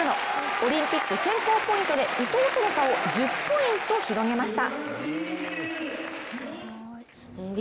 オリンピック選考ポイントで、伊藤との差を１０ポイント広げました。